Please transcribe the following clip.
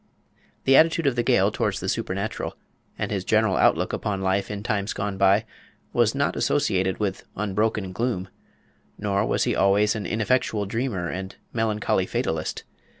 The attitude of the Gael towards the supernatural, and his general outlook upon life in times gone by, was not associated with unbroken gloom; nor was he always an ineffectual dreamer and melancholy fatalist.